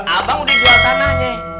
abang udah jual tanahnya